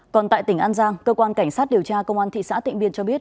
còn tại tỉnh an giang cơ quan cảnh sát điều tra công an thị xã tịnh biên cho biết